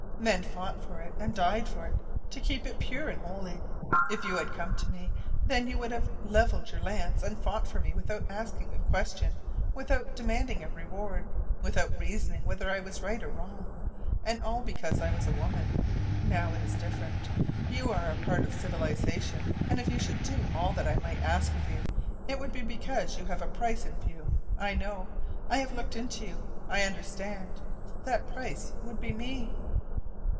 Men fought for it, and died for it, to keep it pure and holy. If you had come to me then you would have levelled your lance and fought for me without asking a question, without demanding a reward, without reasoning whether I was right or wrong and all because I was a woman. Now it is different. You are a part of civilization, and if you should do all that I might ask of you it would be because you have a price in view. I know. I have looked into you. I understand. That price would be ME!"